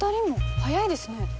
早いですね。